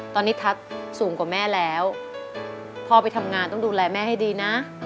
ตอนนี้ทักสูงกว่าแม่แล้วพ่อไปทำงานต้องดูแลแม่ให้ดีนะ